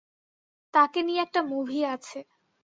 তাকে নিয়ে একটা মুভি আছে।